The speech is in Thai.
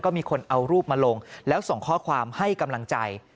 มีคนเอารูปมาลงแล้วส่งข้อความให้กำลังใจ